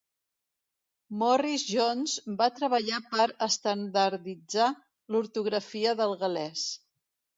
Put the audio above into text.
Morris-Jones va treballar per estandarditzar l'ortografia del gal·lès.